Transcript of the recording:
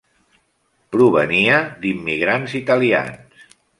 Provenia d'immigrants italians.